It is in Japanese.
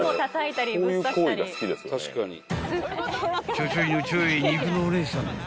［ちょちょいのちょい肉のお姉さん］